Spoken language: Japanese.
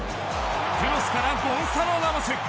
クロスからゴンサロ・ラモス。